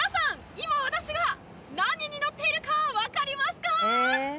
今私が何に乗っているかわかりますか？